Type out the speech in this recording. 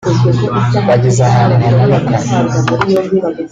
bageze ahantu hamanuka